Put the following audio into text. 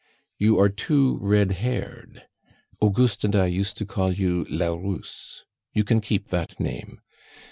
"You are too red haired; Auguste and I used to call you la Rousse; you can keep that name.